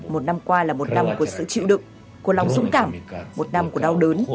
một năm qua là một năm của sự chịu đựng của lòng dũng cảm một năm của đau đớn